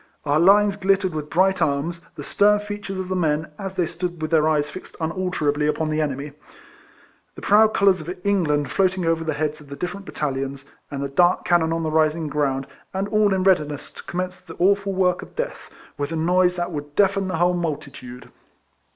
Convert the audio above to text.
Our lines glittering with bright arms; the stern features of the men, as they stood with their eyes fixed unalterably upon the enemy, the proud colours of England floating over the heads of the different battalions, and the dark cannon on the rising ground, and all in readiness to commence the awful work of death, with a noise that would deafen the whole multi tude.